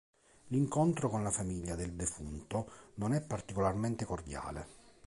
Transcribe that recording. L'incontro con la famiglia del defunto non è particolarmente cordiale.